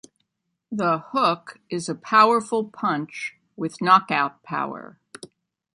The hook is a powerful punch with knockout power.